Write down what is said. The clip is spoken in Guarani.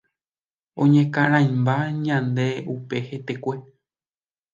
Oñekarãimba ndaje upe hetekue.